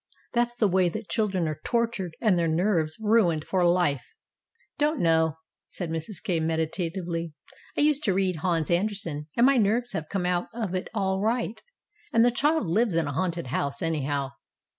That's the way that children are tortured and their nerves ruined for life." "Don't know," said Mrs. Kay meditatively. "I used to read Hans Andersen, and my nerves have come out of it all right. And the child lives in a haunted house, anyhow."